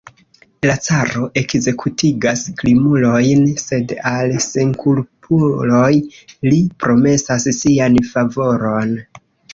La caro ekzekutigas krimulojn, sed al senkulpuloj li promesas sian favoron.